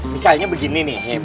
misalnya begini nih